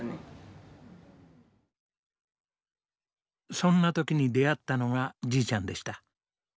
そんな時に出会ったのがじいちゃんでした。